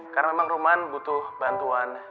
karena memang roman butuh bantuan